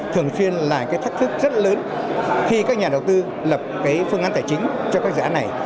thường xuyên là cái thách thức rất lớn khi các nhà đầu tư lập cái phương án tài chính cho các dự án này